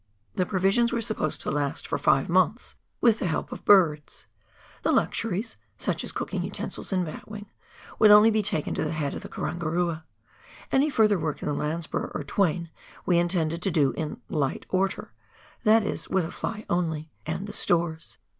The provisions were supposed to last for five months with the help of birds. The luxuries — such as cooking utensils and batwing — would only be taken to the head of the Karangarua. Any further work in the Landsborough or Twain we intended to do in " light order," that is with a fly only, and the stores.